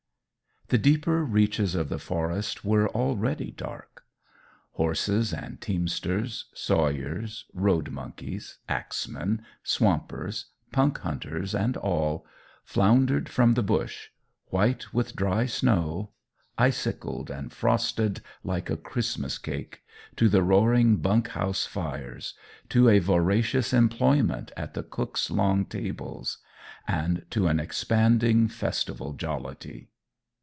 The deeper reaches of the forest were already dark. Horses and teamsters, sawyers, road monkeys, axemen, swampers, punk hunters and all, floundered from the bush, white with dry snow, icicled and frosted like a Christmas cake, to the roaring bunk house fires, to a voracious employment at the cooks' long tables, and to an expanding festival jollity.